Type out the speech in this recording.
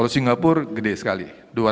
singapura gede sekali